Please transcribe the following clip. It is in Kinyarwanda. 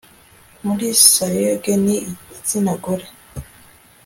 muri sarigue ni igitsina gore